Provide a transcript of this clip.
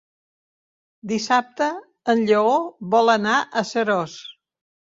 Dissabte en Lleó vol anar a Seròs.